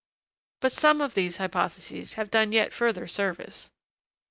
But some of these hypotheses have done yet further service.